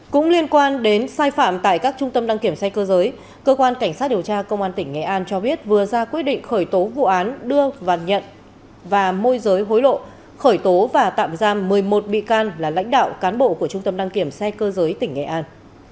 cũng liên quan đến sai phạm tại các trung tâm đăng kiểm xe cơ giới cơ quan cảnh sát điều tra công an tỉnh nghệ an cho biết vừa ra quyết định khởi tố vụ án đưa và nhận và môi giới hối lộ khởi tố và tạm giam một mươi một bị can là lãnh đạo cán bộ của trung tâm đăng kiểm xe cơ giới tỉnh nghệ an